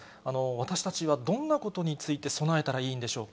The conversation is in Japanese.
私たちはどんなことについて備えたらいいんでしょうか。